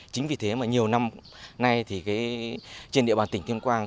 chính vì thế mà nhiều năm nay thì trên địa bàn tỉnh tuyên quang